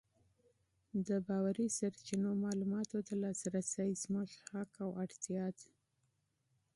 د باوري سرچینو معلوماتو ته لاسرسی زموږ حق او ضرورت دی.